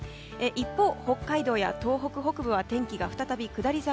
一方、北海道や東北北部は天気が再び下り坂。